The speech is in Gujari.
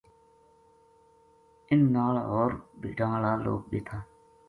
ان نال ہور بھیڈاں ہالا لوک بے تھا